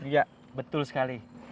iya betul sekali